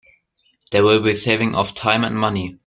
There will be saving of time and money.